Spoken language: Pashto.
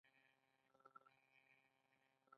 نن مې د خپل پخواني ملګري سره ناڅاپه ليدنه وشوه.